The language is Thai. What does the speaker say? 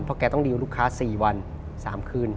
เพราะแกต้องดีลลูกค้า๔วัน๓คืน